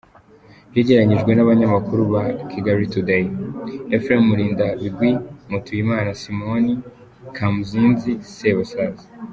Byegeranyijwe n’abanyamakuru ba Kigali Tudeyi: Efuremu Murindabigwi, Mutuyimana, Simoni Kamuzinzi, Sebasaza.